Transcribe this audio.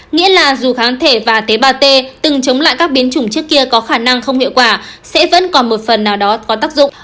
nghĩa là dù kháng thể và tế bào t từng chống lại các biến chủng trước kia có khả năng không hiệu quả sẽ vẫn còn một phần nào đó có tác dụng